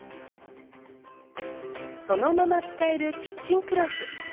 そのまま使えるキッチンクロス。